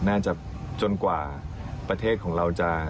จนกว่าประเทศของเราจะ